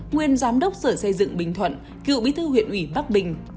nguyên giám đốc sở xây dựng bình thuận cựu bí thư huyện ủy bắc bình